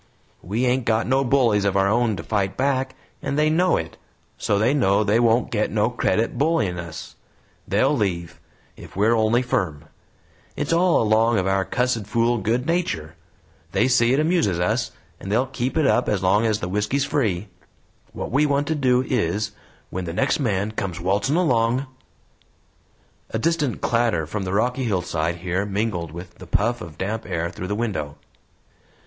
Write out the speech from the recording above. We ain't got no bullies of our own to fight back, and they know it, so they know they won't get no credit bullyin' us; they'll leave, if we're only firm. It's all along of our cussed fool good nature; they see it amuses us, and they'll keep it up as long as the whisky's free. What we want to do is, when the next man comes waltzin' along " A distant clatter from the rocky hillside here mingled with the puff of damp air through the window.